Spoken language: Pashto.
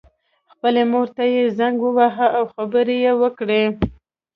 خپلې مور ته یې زنګ وواهه او خبرې یې وکړې